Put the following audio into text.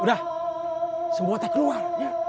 udah semua teh keluar